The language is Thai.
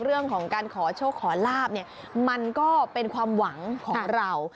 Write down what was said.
เรื่องของการขอโชคขอลาบเนี่ยมันก็เป็นความหวังของเรา